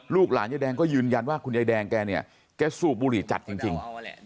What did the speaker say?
หลานยายแดงก็ยืนยันว่าคุณยายแดงแกเนี่ยแกสูบบุหรี่จัดจริง